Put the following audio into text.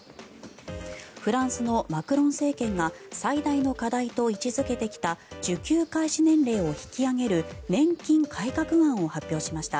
フランスのマクロン政権が最大の課題と位置付けてきた受給開始年齢を引き上げる年金改革案を発表しました。